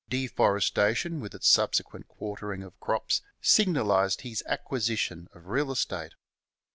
De forestation with its subsequent quartering of crops signalized his acquisition of real estate.